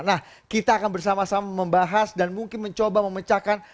nah kita akan bersama sama membahas dan mungkin mencoba memecahkan